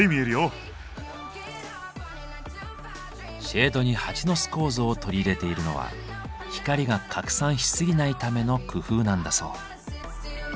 シェードにハチの巣構造を取り入れているのは光が拡散しすぎないための工夫なんだそう。